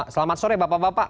selamat sore bapak bapak